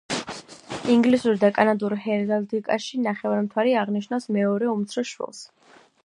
ინგლისურ და კანადურ ჰერალდიკაში ნახევარმთვარე აღნიშნავს მეორე, უმცროს შვილს.